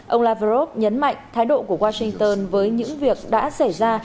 ông lavrov nhấn mạnh thái độ của washington với những việc đã xảy ra